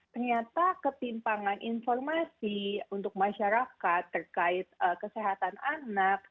ternyata ketimpangan informasi untuk masyarakat terkait kesehatan anak